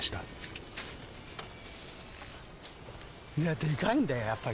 でかいんだよやっぱり。